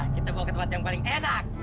kita bawa ke tempat yang paling enak